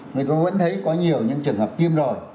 người ta vẫn thấy có nhiều những trường hợp viêm rồi